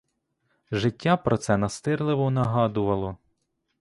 Життя про це настирливо нагадувало.